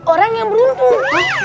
orang yang beruntung